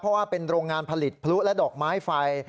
เพราะว่าเป็นโรงงานผลิตพลุและดอกไม้ไฟ